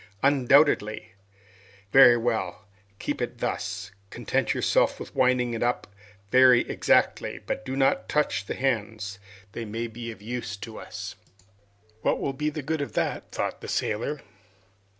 "Undoubtedly." "Very well, keep it thus. Content yourself with winding it up very, exactly, but do not touch the hands. This may be of use to us. "What will be the good of that?" thought the sailor.